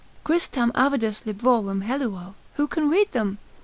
Quis tam avidus librorum helluo, who can read them?